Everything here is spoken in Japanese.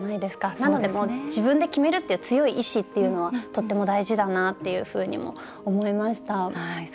なので自分で決めるっていう強い意思っていうのはとても大事だなと思いました。